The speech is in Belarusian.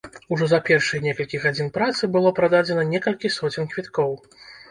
Ужо за першыя некалькі гадзін працы было прададзена некалькі соцень квіткоў.